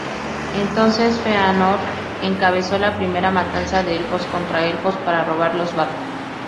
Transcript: Entonces Fëanor encabezó la Primera Matanza de elfos contra elfos, para robar los barcos.